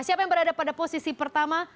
siapa yang berada pada posisi pertama